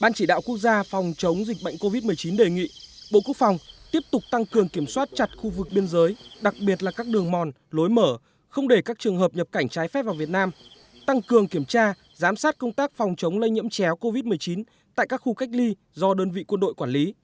ban chỉ đạo quốc gia phòng chống dịch bệnh covid một mươi chín đề nghị bộ quốc phòng tiếp tục tăng cường kiểm soát chặt khu vực biên giới đặc biệt là các đường mòn lối mở không để các trường hợp nhập cảnh trái phép vào việt nam tăng cường kiểm tra giám sát công tác phòng chống lây nhiễm chéo covid một mươi chín tại các khu cách ly do đơn vị quân đội quản lý